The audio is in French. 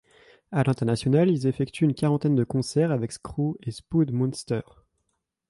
À l'international, ils effectuent une quarantaine de concerts avec Skrew et Spud Monsters.